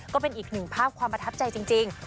ก็เป็นอีกหนึ่งภาพความประทับใจจริง